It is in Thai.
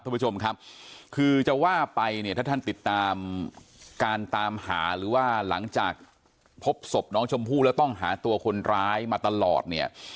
ท่านผู้ชมครับคือจะว่าไปเนี่ยถ้าท่านติดตามการตามหาหรือว่าหลังจากพบศพน้องชมพู่แล้วต้องหาตัวคนร้ายมาตลอดเนี่ย